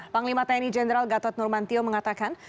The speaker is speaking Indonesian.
panglima tni jenderal gatot nurmantio mengatakan